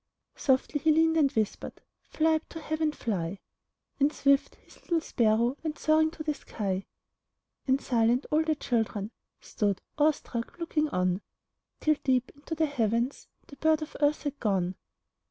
Softly He leaned and whispered: "Fly up to Heaven! Fly!" And swift, His little sparrow Went soaring to the sky, And silent, all the children Stood, awestruck, looking on, Till, deep into the heavens, The bird of earth had gone.